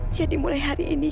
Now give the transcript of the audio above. jadi mulai hari ini